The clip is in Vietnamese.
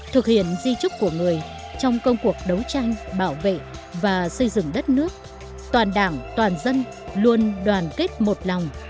thực hiện di trúc của người trong công cuộc đấu tranh bảo vệ và xây dựng đất nước toàn đảng toàn dân luôn đoàn kết một lòng